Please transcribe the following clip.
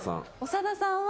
長田さんは。